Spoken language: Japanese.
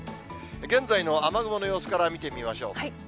現在の雨雲の様子から見てみましょう。